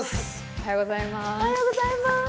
おはようございます。